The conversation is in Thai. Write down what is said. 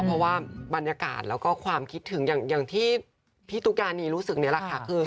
เพราะว่าบรรยากาศแล้วก็ความคิดถึงอย่างที่พี่ตุ๊กยานีรู้สึกนี่แหละค่ะคือ